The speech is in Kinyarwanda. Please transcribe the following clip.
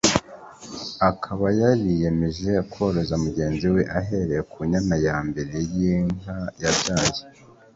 akaba yariyemeje koroza mugenzi we ahereye ku nyana ya mbere iyi nka yabyaye